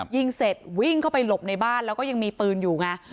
ยิงเสร็จวิ่งเข้าไปหลบในบ้านแล้วก็ยังมีปืนอยู่ไง